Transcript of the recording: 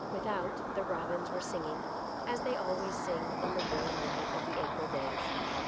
Without, the robins were singing, as they always sing in the warm light of the April days.